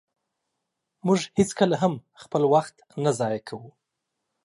مونږ هيڅکله هم خپل وخت نه ضایع کوو.